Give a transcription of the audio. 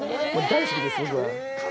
大好きです。